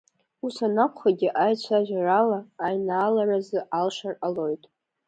Ус анакәхагьы аицәажәарала, аинааларазы алшар ҟалоит…